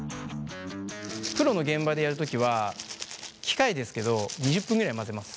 プロの現場でやる時は機械ですけど２０分ぐらい混ぜます。